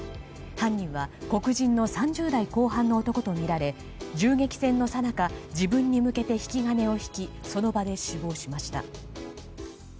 犯人は黒人の３０代後半の男とみられ銃撃戦のさなか自分に向けて引き金を引きその場で死亡しました。